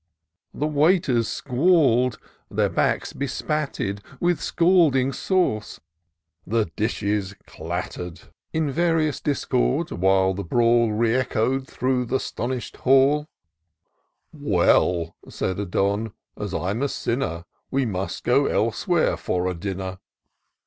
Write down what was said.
The waiters squall'd, their backs bespattered With scalding sauce; the dishes datter'd In various discord ; while the brawl Re echo'd through th' astonish'd halL " Well," said a Don, " as I'm a sinner. We must go elsewhere for a dinner."